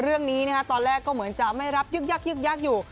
เรื่องนี้ตอนแรกก็เหมือนจะไม่รับยึกยักยึกยักอยู่